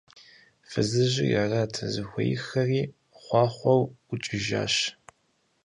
Фызыжьри арат зыхуеиххэри, хъуахъуэу ӀукӀыжащ.